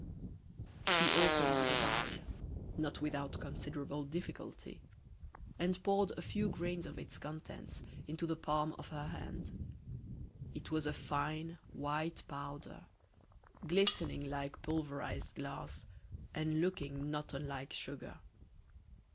She opened the vial, not without considerable difficulty, and poured a few grains of its contents into the palm of her hand. It was a fine, white powder, glistening like pulverized glass, and looking not unlike sugar.